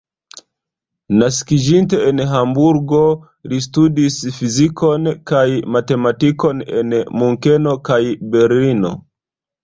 Naskiĝinte en Hamburgo, li studis fizikon kaj matematikon en Munkeno kaj Berlino.